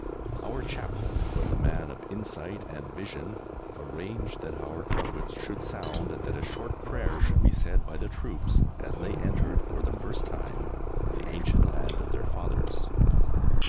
Our Chaplain, who was a man of insight and vision, arranged that our trumpets should sound, and that a short prayer should be said by the troops as they entered, for the first time, the ancient land of their Fathers.